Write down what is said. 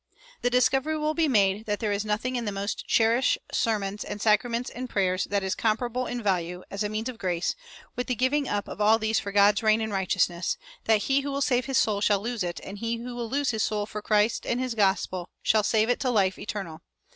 The discovery will be made that there is nothing in the most cherished sermons and sacraments and prayers that is comparable in value, as a means of grace, with the giving up of all these for God's reign and righteousness that he who will save his soul shall lose it, and he who will lose his soul for Christ and his gospel shall save it to life eternal.